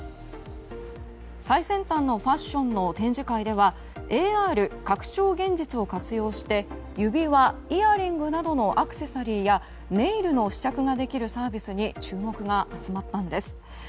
最先端のファッションの展示会ではＡＲ・拡張現実を活用して指輪、イヤリングなどのアクセサリーやネイルの試着できるサービスに注目が集まったんです。